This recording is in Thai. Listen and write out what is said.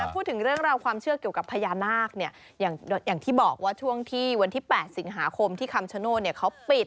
พูดถึงเรื่องราวความเชื่อเกี่ยวกับพญานาคอย่างที่บอกว่าช่วงที่วันที่๘สิงหาคมที่คำชโนธเขาปิด